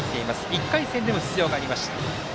１回戦でも出場がありました。